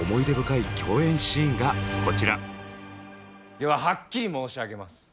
でははっきり申し上げます。